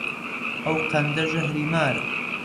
ئەو قەندە ژەهری مارە